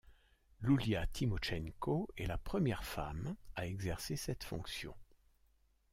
Ioulia Tymochenko est la première femme à exercer cette fonction.